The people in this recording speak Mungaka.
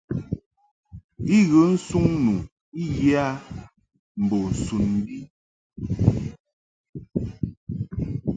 I ghə nsuŋ nu I yə a mbo sun bi.